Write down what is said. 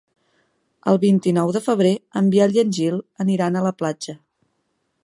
El vint-i-nou de febrer en Biel i en Gil aniran a la platja.